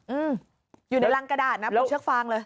อืมอยู่ในรังกระดาษนะคุณเชิกฟังเลย